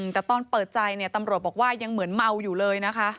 แต่ตอนเปิดใจเนี่ยตำรวจบอกว่ายังเหมือนเมาอยู่เลยนะคะ